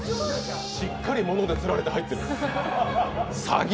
しっかり物で釣られて入ってる！